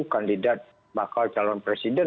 kandidat bakal calon presiden